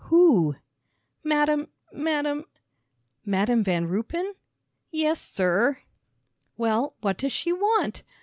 "Who?" "Madam Madam " "Madam Van Ruypen?" "Yes, sir." "Well, what does she want?